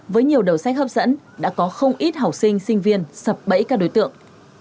với nhiều đầu sách hấp dẫn đã có không ít học sinh sinh viên sập bẫy các đối tượng